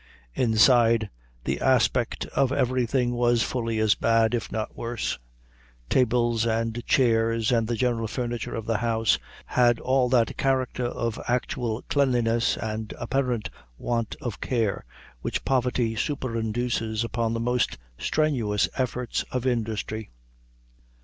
Inside, the aspect of everything was fully as bad, if not worse. Tables and chairs, and the general furniture of the house, had all that character of actual cleanliness and apparent want of care which poverty superinduces upon the most strenuous efforts of industry.